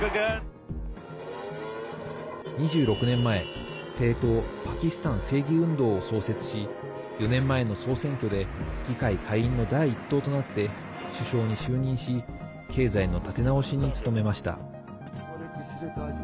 ２６年前政党パキスタン正義運動を創設し４年前の総選挙で議会下院の第１党となって首相に就任し経済の立て直しに努めました。